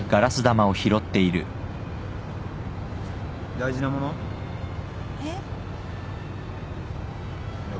大事なもの？えっ？いや。